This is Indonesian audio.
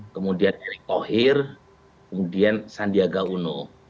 kemudian erick thohir kemudian sandiaga uno